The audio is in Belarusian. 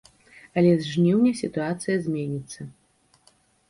Але з жніўня сітуацыя зменіцца.